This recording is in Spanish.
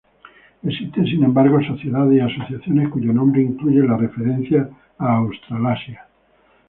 Existen sin embargo sociedades y asociaciones cuyo nombre incluye la referencia a Australasia.